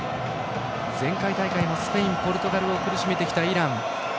前回大会もスペイン、ポルトガルを苦しめてきたイラン。